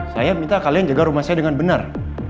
saya minta kalian jaga rumah saya dengan benar